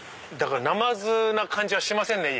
なまずな感じはしませんね。